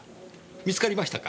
見つかりましたか。